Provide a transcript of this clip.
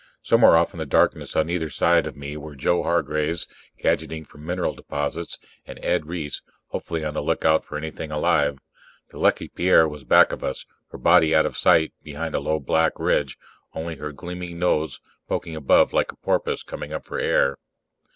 Somewhere off in the darkness on either side of me were Joe Hargraves, gadgeting for mineral deposits, and Ed Reiss, hopefully on the lookout for anything alive. The Lucky Pierre was back of us, her body out of sight behind a low black ridge, only her gleaming nose poking above like a porpoise coming up for air.